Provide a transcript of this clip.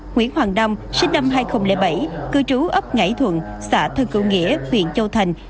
nguyễn hoàng đâm sinh năm hai nghìn bảy cư trú ấp ngải thuận xã thơ cựu nghĩa huyện châu thành